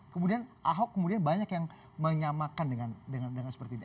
kemudian ahok kemudian banyak yang menyamakan dengan seperti ini